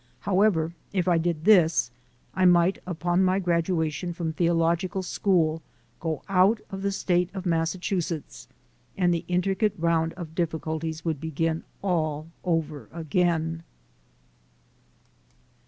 However, if I did this, I might upon* my graduation from Theological School go out of the state of Massachusetts, and the intri cate round of difficulties would begin all over again.